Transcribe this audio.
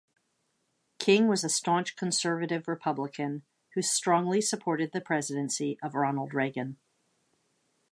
King was a staunch conservative Republican who strongly supported the presidency of Ronald Reagan.